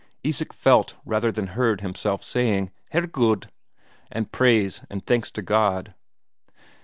Isak felt rather than heard himself saying, "Herregud!" and "Praise and thanks to God."